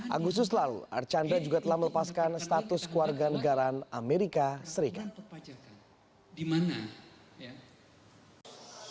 agustus lalu archandra juga telah melepaskan status keluarga negaraan amerika serikat